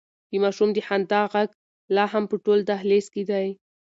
د ماشوم د خندا غږ لا هم په ټول دهلېز کې دی.